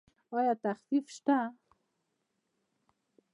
ایا تخفیف شته؟